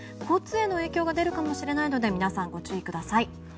交通への影響が出るかもしれないので皆さん、ご注意ください。